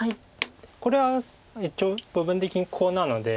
これは一応部分的にコウなので。